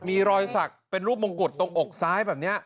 มีรอยสักเป็นรูปมงกุฎตรงอกซ้ายแบบนี้